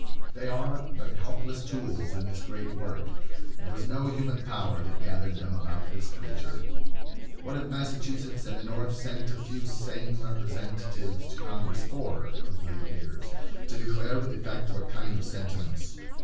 They are but helpless tools in this great work. It was no human power that gathered them about this preacher. What have Massachusetts and the North sent a few sane representatives to Congress for, of late years?—to declare with effect what kind of sentiments?